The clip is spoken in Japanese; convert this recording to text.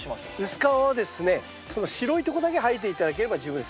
薄皮はですねその白いとこだけ剥いで頂ければ十分です。